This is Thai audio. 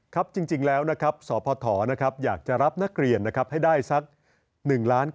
ครับจริงแล้วสภอยากจะรับนักเรียนให้ได้สัก๑๙๐๐๐๐๐คน